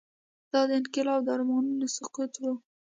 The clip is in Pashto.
دا د انقلاب د ارمانونو سقوط و.